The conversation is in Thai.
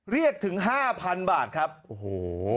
เครียดถึง๕๐๐๐บาทครับโอ้โห